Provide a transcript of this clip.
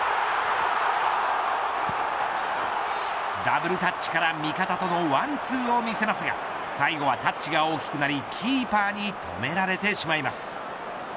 ダブルタッチから味方とのワンツーを見せますが最後はタッチが大きくなりキーパーに止められてしまいます。